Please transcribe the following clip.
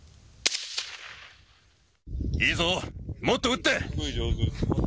いいぞ、もっと撃って。